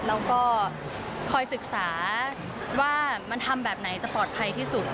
แล้วก็คอยศึกษาว่ามันทำแบบไหนจะปลอดภัยที่สุด